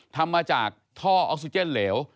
ทำมาจากท่อออกซิเจนเหลว